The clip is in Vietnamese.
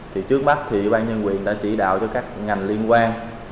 trước mắt ủy ban nhân quyền đã chỉ đạo cho các ngành liên quan